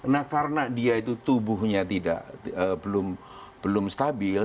nah karena dia itu tubuhnya belum stabil